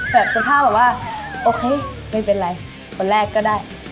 สภาพแบบว่าโอเคไม่เป็นไรคนแรกก็ได้